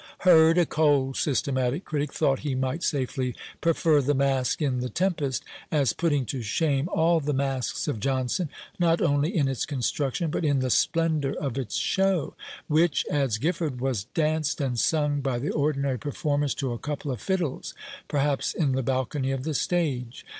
Hurd, a cold systematic critic, thought he might safely prefer the Masque in the Tempest, as "putting to shame all the Masques of Jonson, not only in its construction, but in the splendour of its show;" "which," adds Gifford, "was danced and sung by the ordinary performers to a couple of fiddles, perhaps in the balcony of the stage."